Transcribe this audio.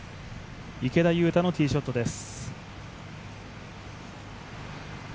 池田勇太のティーショットです。